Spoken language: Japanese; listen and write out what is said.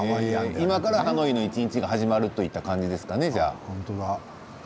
今からハノイの一日が始まるという感じですかね。